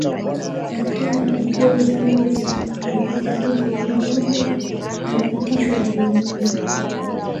Daktari David Livingstone alipofariki kule Zambia alipitishwa Bagamoyo